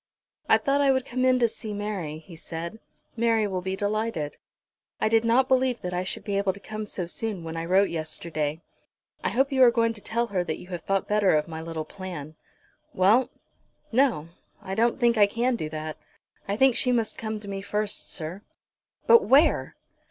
"I thought I would come in to see Mary," he said. "Mary will be delighted." "I did not believe that I should be able to come so soon when I wrote yesterday." "I hope you are going to tell her that you have thought better of my little plan." "Well; no; I don't think I can do that. I think she must come to me first, sir." "But where!"